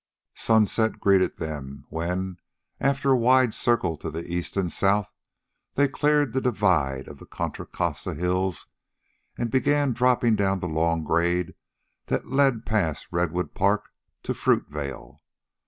Sunset greeted them when, after a wide circle to the east and south, they cleared the divide of the Contra Costa hills and began dropping down the long grade that led past Redwood Peak to Fruitvale.